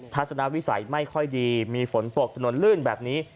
ทัศนวิสัยไม่ค่อยดีมีฝนตกถนนลื่นแบบนี้